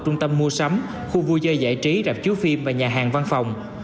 trung tâm mua sắm khu vui chơi giải trí rạp chiếu phim và nhà hàng văn phòng